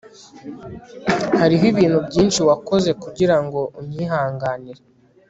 Hariho ibintu byinshi wakoze kugirango unyihanganire